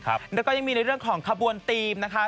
แล้วก็ยังมีในเรื่องของขบวนธีมนะคะ